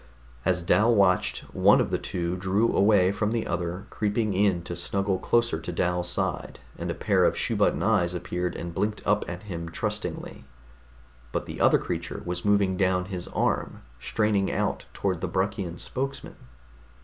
As Dal watched, one of the two drew away from the other, creeping in to snuggle closer to Dal's side, and a pair of shoe button eyes appeared and blinked up at him trustingly. But the other creature was moving down his arm, straining out toward the Bruckian spokesman....